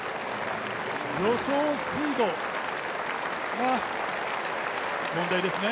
助走スピードが問題ですね。